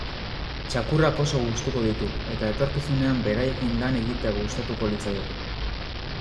Txakurrak oso gustuko ditu eta etorkizunean beraiekin lan egitea gustatuko litzaioke.